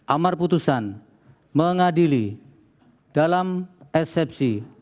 amar putusan mengadili dalam eksepsi